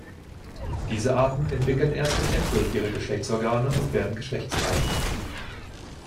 Diese Arten entwickeln erst im Endwirt ihre Geschlechtsorgane und werden geschlechtsreif.